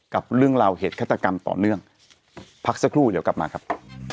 กับเรื่องราวเหตุฆาตกรรมต่อเนื่องพักสักครู่เดี๋ยวกลับมาครับ